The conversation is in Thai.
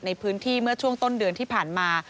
ในพื้นที่เมื่อช่วงต้นเดือนที่ผ่านมา